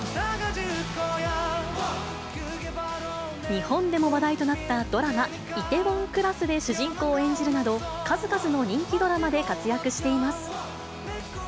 日本でも話題となったドラマ、梨泰院クラスで主人公を演じるなど、数々の人気ドラマで活躍しています。